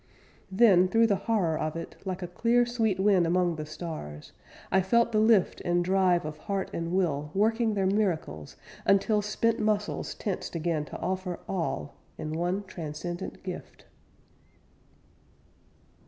Then through the horror of it, like a clear Sweet wind among the stars, I felt the lift And drive of heart and will Working their miracles until Spent muscles tensed again to offer all In one transcendent gift.